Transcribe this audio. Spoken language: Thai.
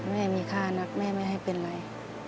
แม่มีค่านักแม่ไม่ให้เป็นไร